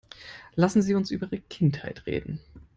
Lassen Sie uns über Ihre Kindheit reden.